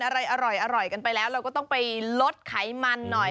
อะไรอร่อยกันไปแล้วเราก็ต้องไปลดไขมันหน่อย